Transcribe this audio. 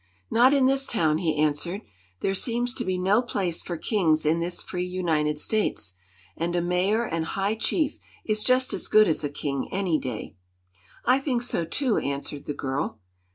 "Not in this town," he answered. "There seems to be no place for kings in this free United States. And a Mayor and High Chief is just as good as a king, any day." "I think so, too," answered the girl.